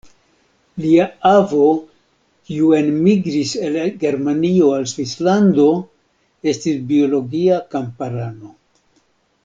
Lia avo, kiu enmigris el Germanio al Svislando estis biologia kamparano.